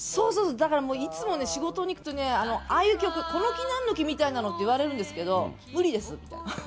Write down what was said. だからもう、いつも仕事に行くとね、ああいう曲、この木なんの木みたいなのって言われるんですけど、無理ですって。